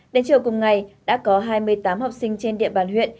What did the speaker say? đến chiều cùng ngày đã có hai mươi tám học sinh trên địa bàn huyện